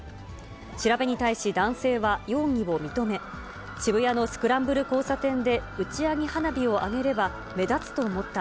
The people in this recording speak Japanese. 調べに対し男性は容疑を認め、渋谷のスクランブル交差点で、打ち上げ花火を上げれば目立つと思った。